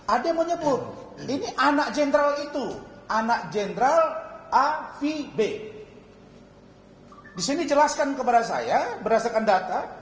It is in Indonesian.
ada yang menyebut ini anak jenderal itu anak jenderal a v b disini jelaskan kepada saya berdasarkan data